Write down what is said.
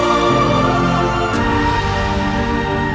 sehingga belum bisa menjemukmu sampai sesiam itu